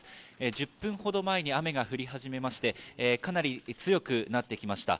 １０分ほど前に雨が降り始めまして、かなり強くなってきました。